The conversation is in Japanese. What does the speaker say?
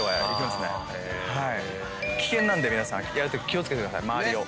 危険なんで皆さんやるとき気を付けてください周りを。